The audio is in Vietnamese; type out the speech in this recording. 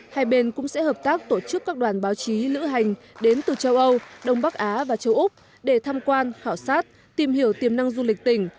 hai bên cũng sẽ hợp tác tổ chức các đoàn báo chí lữ hành đến từ châu âu đông bắc á và châu úc để tham quan khảo sát tìm hiểu tiềm năng du lịch tỉnh